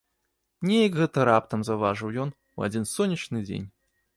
Нейк гэта раптам заўважыў ён, у адзін сонечны дзень.